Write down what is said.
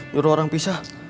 juru orang pisah